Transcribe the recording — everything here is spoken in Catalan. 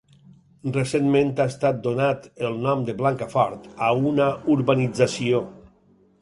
Recentment ha estat donat el nom de Blancafort a una urbanització.